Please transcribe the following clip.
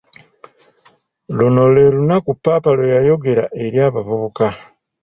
Luno lee lunaku "Paapa" lwe yayogera eri abavubuka.